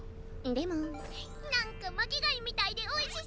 でも何か巻き貝みたいでおいしそう！